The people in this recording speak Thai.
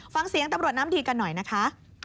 ฟังเสียงตำรวจน้ำทีกันหน่อยนะคะ